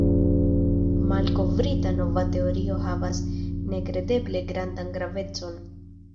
La malkovrita nova teorio havas nekredeble grandan gravecon.